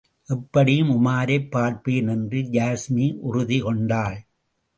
எப்படியும் உமாரைப் பார்ப்பேன், என்று யாஸ்மி உறுதி கொண்டாள்.